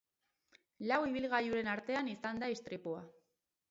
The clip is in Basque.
Lau ibilgailuren artean izan da istripua.